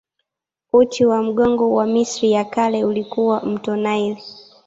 Uti wa mgongo wa Misri ya Kale ulikuwa mto Naili.